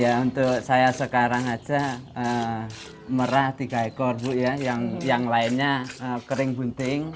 ya untuk saya sekarang saja merah tiga ekor ya bu yang lainnya kering bunting